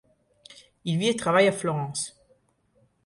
Il vit et travaille à Florence.